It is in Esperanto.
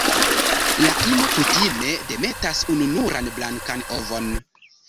La ino kutime demetas ununuran blankan ovon.